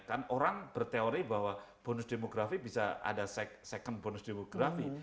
kan orang berteori bahwa bonus demografi bisa ada second bonus demografi